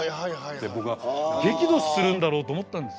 で僕は激怒するんだろうと思ったんですよ。